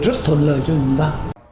rất thuận lợi cho chúng ta